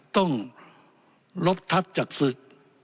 ต้องลบทัพจากศึก